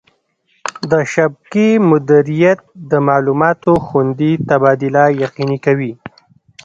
د شبکې مدیریت د معلوماتو خوندي تبادله یقیني کوي.